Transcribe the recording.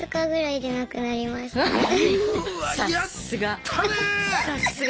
さっすが。